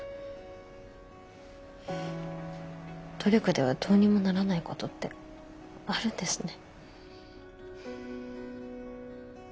努力ではどうにもならないことってあるんですね。